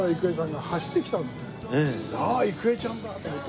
「あっ郁恵ちゃんだ！」と思って。